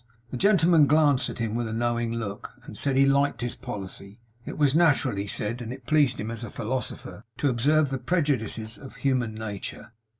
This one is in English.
The gentleman glanced at him with a knowing look, and said he liked his policy. It was natural, he said, and it pleased him as a philosopher to observe the prejudices of human nature.